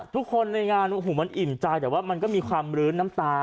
ทุกคนในงานโอ้โหมันอิ่มใจแต่ว่ามันก็มีความรื้นน้ำตา